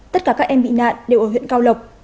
tất cả các em bị nạn đều ở huyện cao lộc